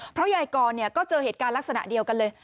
เพราะยายกรก็เจอเหตุการณ์ลักษณะเดียวกันเลย